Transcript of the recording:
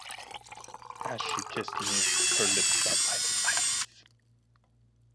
As she kissed me, her lips felt like ice.